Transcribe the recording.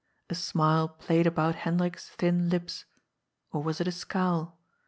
A smile played about Hendrik's thin lips — or was it a scowl?